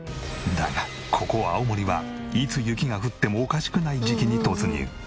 だがここ青森はいつ雪が降ってもおかしくない時期に突入。